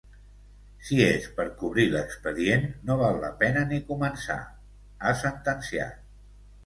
Si és per cobrir l’expedient, no val la pena ni començar, ha sentenciat.